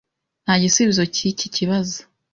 Nta gisubizo cyiki kibazo.